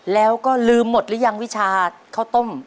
แล้วก็ลืมหมดหรือยังวิชาข้าวต้ม